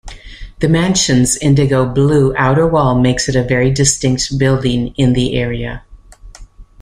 The mansion's indigo-blue outer wall makes it a very distinct building in the area.